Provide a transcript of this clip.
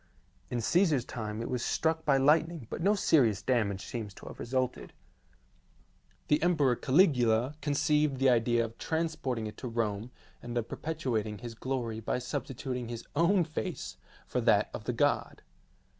In Caesar's time it was struck by lightning but no serious damage seems to have resulted. The Emperor Caligula conceived the idea of transporting it to Rome, and of perpetuat ing his glory by substituting his own face for that of the god.